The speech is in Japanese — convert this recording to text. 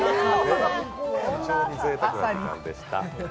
非常にぜいたくな時間でした。